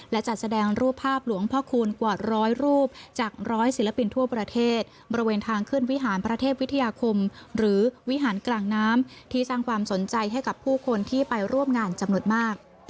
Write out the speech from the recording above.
และจัดแสดงรูปภาพหลวงพ่อคูณกว่าร้อยรูปจากร้อยศิลปินทั่วประเทศบริเวณทางขึ้นวิหารพระเทพวิทยาคมหรือวิหารกลางน้ำที่สร้างความสนใจให้กับผู้คนที่ไปร่วมงานจำนวนมาก